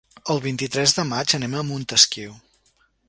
El vint-i-tres de maig anem a Montesquiu.